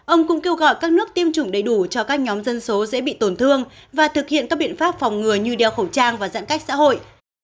ông cũng kêu gọi các nước tiêm chủng đầy đủ cho các nhóm dân số dễ bị tổn thương và thực hiện các biện pháp phòng ngừa như đeo khẩu trang và giãn cách xã hội